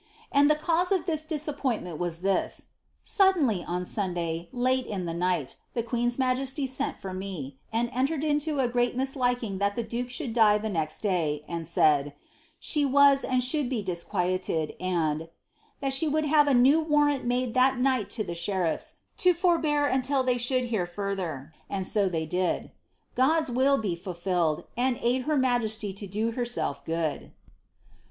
And the cause of il (lisappoiiiiment was this: — suddenly ou Sunday, late in the night, I queen's majesty sent for me, and entered into a great mislikiiig that 1 duke should die die next day, and said, slie was and should be d quieted, and " that she would have a new warrant made that night llie sheriffs to forbear until diey should hear further, and so ihcy d God's will be fulfdled, and aid her majesty to do herself good."'